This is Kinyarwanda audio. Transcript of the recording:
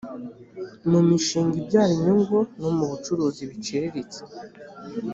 mumishinga ibyara inyungu no bucuruzi buciritse